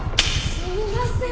すみません。